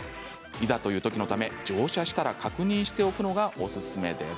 いざというときのため乗車したら確認しておくのがおすすめです。